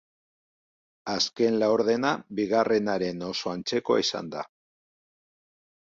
Azken laurdena bigarrenaren oso antzekoa izan da.